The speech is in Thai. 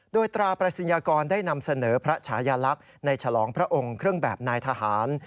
โดยตราประสินยากรได้นำเสนอพระฉายาลักษณ์ในฉลองพระองค์เครื่องแบบนายทหาร